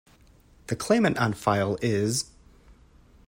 The claimant on file is...